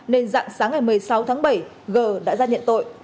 nên dặn sáng ngày một mươi sáu tháng bảy gờ đã ra nhận tội